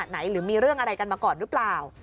หรือมีเรื่องอะไรกันมาก่อนหรือเปล่า